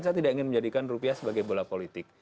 saya tidak ingin menjadikan rupiah sebagai bola politik